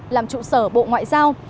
làm trụ sở bộ ngoại giao